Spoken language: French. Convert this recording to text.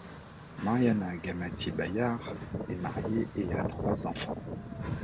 Mariana Gamatié Bayard est mariée et a trois enfants.